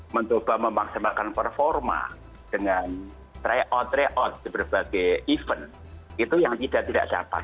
mencoba memaksimalkan performa dengan try out try out di berbagai event itu yang tidak tidak dapat